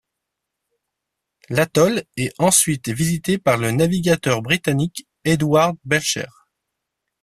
L'atoll est ensuite visité le par le navigateur britannique Edward Belcher.